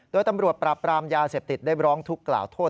โดยตำรวจปราบปรามยาเสพติดได้ร้องทุกข์กล่าวโทษ